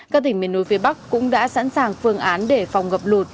các tỉnh miền núi phía bắc cũng đã sẵn sàng phương án để phòng ngập lụt